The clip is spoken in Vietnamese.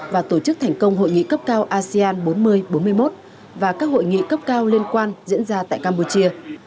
và tổ chức thành công hội nghị cấp cao asean bốn mươi bốn mươi một và các hội nghị cấp cao liên quan diễn ra tại campuchia